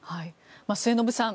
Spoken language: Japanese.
末延さん